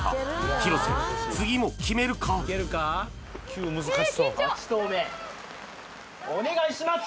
広瀬次も決めるか８投目お願いします